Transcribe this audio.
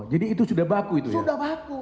jadi itu sudah baku itu ya sudah baku